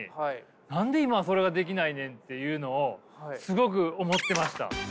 何で今それができないねんっていうのをすごく思ってました。